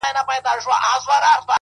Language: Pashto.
هغه زما تيارې کوټې ته څه رڼا ورکوي-